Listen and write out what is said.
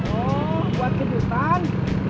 oh buat kejutan